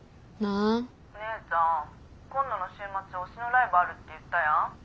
お姉ちゃん今度の週末推しのライブあるって言ったやん？